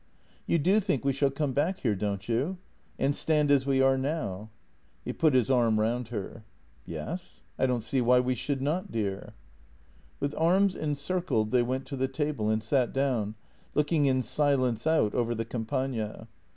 "You do think we shall come back here, don't you? And stand as we are now." He put his arm round her. " Yes; I don't see why we should not, dear." With arms encircled they went to the table and sat down, looking in silence out over the Campagna.